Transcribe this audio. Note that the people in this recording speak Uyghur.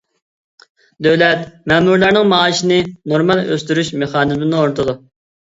دۆلەت مەمۇرلارنىڭ مائاشىنى نورمال ئۆستۈرۈش مېخانىزمىنى ئورنىتىدۇ.